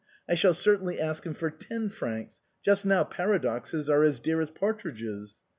" I shall certainly ask him for ten francs, Just now para doxes are as dear as partridges."